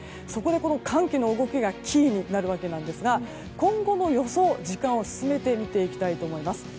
そこで寒気の動きがキーになるわけなんですが今後の予想、時間を進めて見ていきたいと思います。